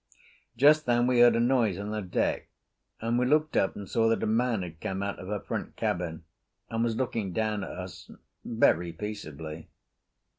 Just then we heard a noise on her deck, and we looked up and saw that a man had come out of her front cabin and was looking down at us very peaceably.